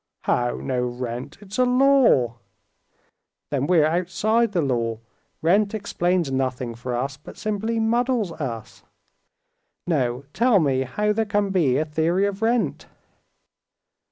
"How no rent? It's a law." "Then we're outside the law; rent explains nothing for us, but simply muddles us. No, tell me how there can be a theory of rent?..."